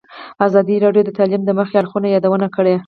ازادي راډیو د تعلیم د منفي اړخونو یادونه کړې.